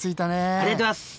ありがとうございます。